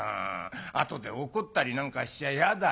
後で怒ったりなんかしちゃ嫌だよ」。